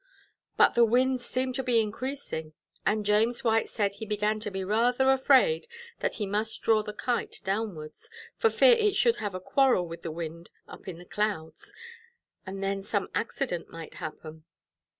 But the wind seemed to be increasing, and James White said he began to be rather afraid that he must draw the Kite downwards, for fear it should have a quarrel with the wind up in the clouds, and then some accident might happen.